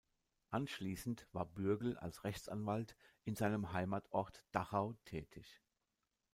Anschließend war Bürgel als Rechtsanwalt in seinem Heimatort Dachau tätig.